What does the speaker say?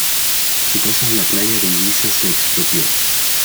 Su casa en la playa de Ibiza se expropió.